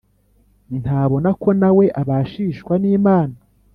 . Ntabona ko nawe abashishwa n’Imana